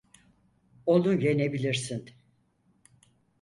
Onu yenebilirsin.